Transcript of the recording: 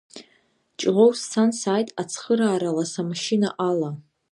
Ҷлоу сцан сааит Ацхыраара лас амашьына ала.